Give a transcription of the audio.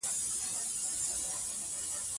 د دې نه علاوه کۀ داسې خيالونه وي